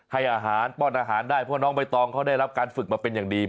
ให้อาหารป้อนอาหารได้เพราะน้องใบตองเขาได้รับการฝึกมาเป็นอย่างดี